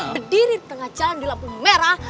berdiri di tengah jalan di lampu merah